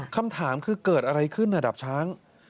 คำถามคือเกิดอะไรขึ้นดับช้าง